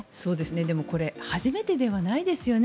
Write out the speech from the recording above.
でもこれ初めてではないですよね。